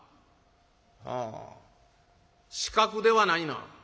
「ああ刺客ではないな。